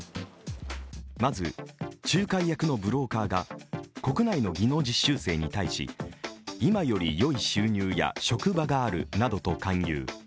まず仲介役のブローカーが国内の技能実習生に対し今よりよい収入や職場があるなどと勧誘。